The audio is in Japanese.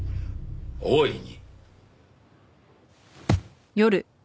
大いに。